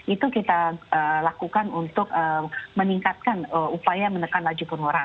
itu kita lakukan untuk meningkatkan upaya menekan laju penularan